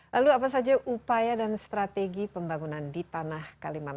lalu apa saja upaya dan strategi pembangunan di tanaman